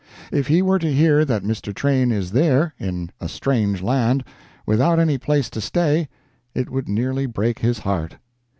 If he were to hear that Mr. Train is there, in a strange land, without any place to stay, it would nearly break his heart.